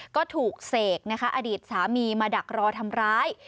ก็ถูกเสกนะคะอดีตสามีมาดักรอทำร้าย